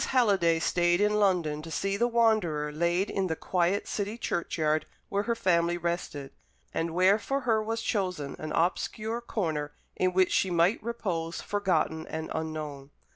Halliday stayed in London to see the wanderer laid in the quiet city churchyard where her family rested, and where for her was chosen an obscure corner in which she might repose forgotten and unknown.